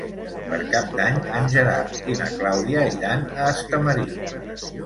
Per Cap d'Any en Gerard i na Clàudia iran a Estamariu.